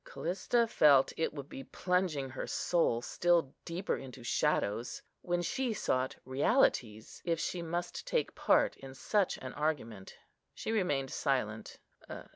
Callista felt it would be plunging her soul still deeper into shadows, when she sought realities, if she must take part in such an argument. She remained silent.